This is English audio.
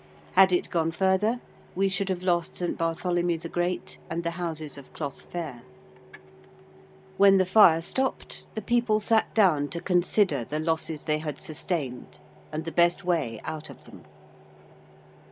Had it gone further we should have lost St. Bartholomew the Great and the houses of Cloth Fair. [Illustration: LUD GATE ON FIRE.] When the fire stopped the people sat down to consider the losses they had sustained and the best way out of them.